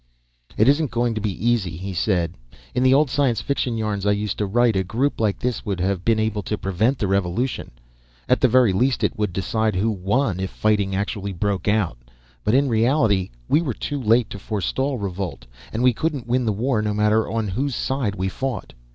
"It isn't going to be easy," he said. "In the old science fiction yarns I used to write, a group like this would have been able to prevent the revolution. At the very least, it would decide who won if fighting actually broke out. But in reality we were too late to forestall revolt, and we couldn't win the war no matter on whose side we fought.